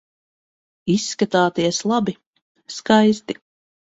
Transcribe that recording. Izskatāties labi, skaisti.